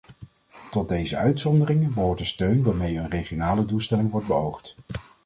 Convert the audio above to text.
Tot deze uitzonderingen behoort de steun waarmee een regionale doelstelling wordt beoogd.